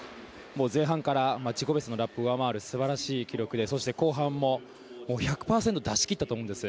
前半から自己ベストのラップを上回る素晴らしい記録でそして後半も１００％出し切ったと思うんです。